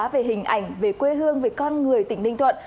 về hình ảnh về quê hương về con người tỉnh ninh thuận